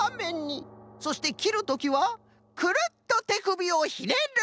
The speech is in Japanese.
そしてきるときはくるっとてくびをひねる！